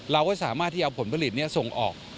เราก็สามารถที่เอาผลผลิตส่งออก